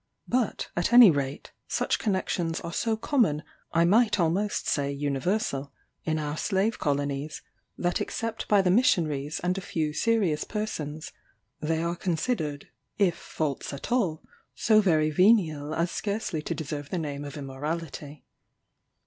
But, at any rate, such connexions are so common, I might almost say universal, in our slave colonies, that except by the missionaries and a few serious persons, they are considered, if faults at all, so very venial as scarcely to deserve the name of immorality.